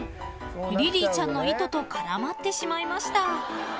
［リリーちゃんの糸と絡まってしまいました］